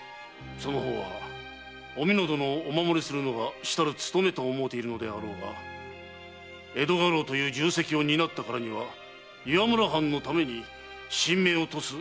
その方お美濃殿をお守りするのが主たる勤めと思うているだろうが江戸家老という重責を担ったからには岩村藩のために身命を賭す覚悟でなければならぬぞ。